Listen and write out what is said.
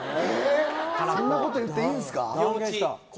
そんなこと言っていいんですか？